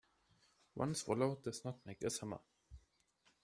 One swallow does not make a summer.